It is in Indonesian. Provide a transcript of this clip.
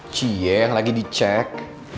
cie yang lagi dicek